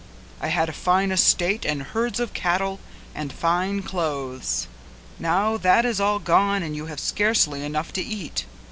I had a fine estate and herds of cattle and fine clothes; now that is all gone and you have scarcely enough to eat.